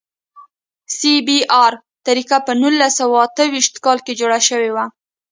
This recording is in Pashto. د سی بي ار طریقه په نولس سوه اته ویشت کې جوړه شوه